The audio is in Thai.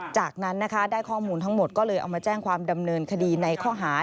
จากนั้นนะคะได้ข้อมูลทั้งหมดก็เลยเอามาแจ้งความดำเนินคดีในข้อหา